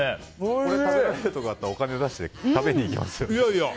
これ食べられるところあったらお金出して食べに行きますよね。